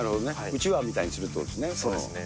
うちわみたいにするということですね。